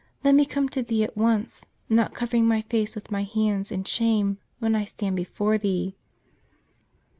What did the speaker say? Let me come to Thee at once ; not covering my face with my hands in shame when I stand before Thee."